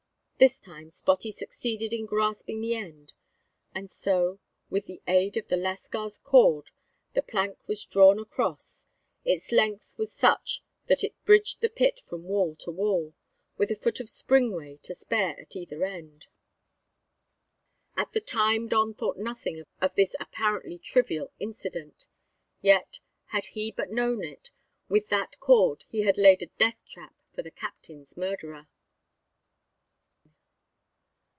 This time Spottie succeeded in grasping the end; and so, with the aid of the lascar's cord, the plank was drawn across. Its length was such that it bridged the pit from wall to wall, with a foot of spring way to spare at either end. At the time Don thought nothing of this apparently trivial incident; yet, had he but known it, with that cord he had laid a death trap for the captain's murderer.